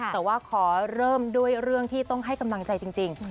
แต่ว่าขอเริ่มด้วยเรื่องที่ต้องให้กำลังใจจริง